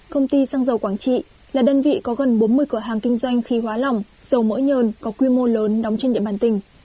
công ty xăng dầu quảng trị là đơn vị có gần bốn mươi cửa hàng kinh doanh khí hóa lỏng dầu mỡ nhờn có quy mô lớn đóng trên địa bàn tỉnh